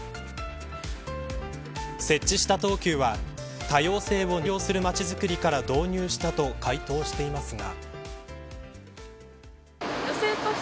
設置した東急は多様性を認容する街づくりから導入したと回答していますが。